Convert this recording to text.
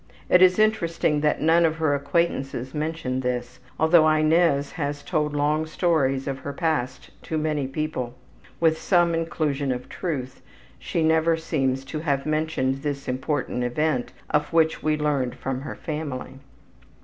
It is interesting that none of her acquaintances mention this. Although Inez has told long stories of her past to many people, and with some inclusion of truth, she never seems to have mentioned this important event of which we learned from her family.